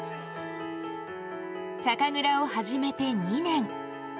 酒蔵を始めて２年。